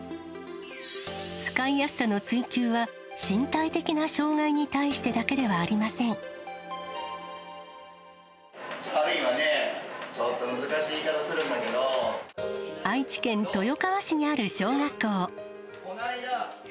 使いやすさの追求は、身体的な障がいに対してだけではありません。愛知県豊川市にある小学校。